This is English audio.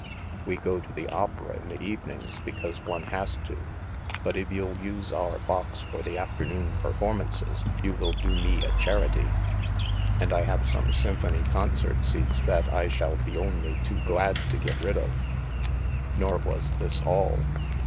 We go to the Opera in the evenings because one has to. But if you'll use our box for the afternoon per formances, you will do me a charity. And I have some Symphony Concert seats that I shall be only too glad to get rid of." Nor was this all.